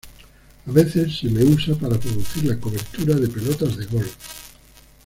A veces se lo usa para producir la cobertura de pelotas de golf.